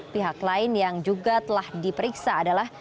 pihak lain yang juga telah diperiksa adalah